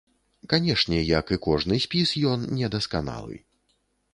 Канешне, як і кожны спіс, ён недасканалы.